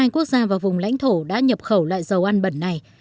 một mươi quốc gia và vùng lãnh thổ đã nhập khẩu loại dầu ăn bẩn này